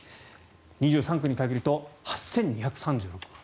２３区に限ると８２３６万円。